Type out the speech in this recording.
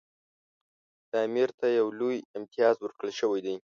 دا امیر ته یو لوی امتیاز ورکړل شوی دی.